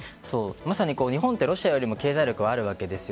まさに日本はロシアよりも経済力はあるわけです。